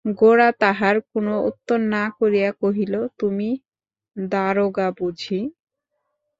গোরা তাহার কোনো উত্তর না করিয়া কহিল, তুমি দারোগা বুঝি?